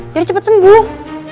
jadi cepet sembuh